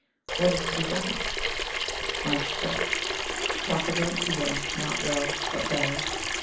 What is to be done? March 12. Talk a great deal. Not well, but better.